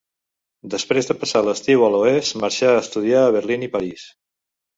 Després de passar l'estiu a l'Oest marxà a estudiar a Berlín i París.